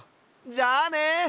じゃあね！